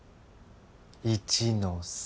一ノ瀬